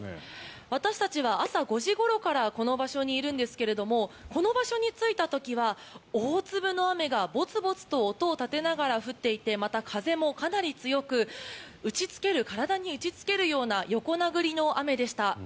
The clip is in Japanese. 私たちは朝５時ごろからこの場所にいるんですがこの場所に着いた時は大粒の雨がぼつぼつと音を立てながら降っていてまた風もかなり強く体に打ちつけるような横殴りの雨でした。